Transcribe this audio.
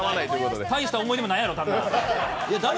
大した思い出もないやろ。